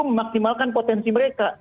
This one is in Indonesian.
mampu memaksimalkan potensi mereka